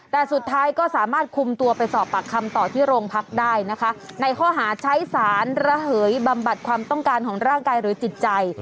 แต่สุดท้ายก็สามารถคุมตัวไปสอบปากคำต่อที่โรงพักได้นะคะในข้อหาใช้สารระเหยบำบัดความต้องการของร่างกายหรือจิตใจ